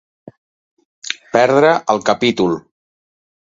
Perdre el capítol.